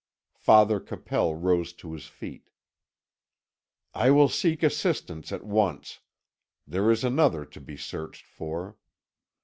Father Capel rose to his feet. "I will seek assistance at once; there is another to be searched for.